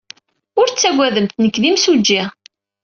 Ur ttaggademt. Nekk d imsujji.